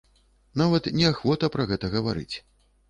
Нават неахвота пра гэта гаварыць.